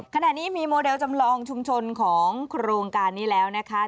ขณะนี้มีโมเดลจำลองชุมชนของโครงการนี้แล้วนะคะ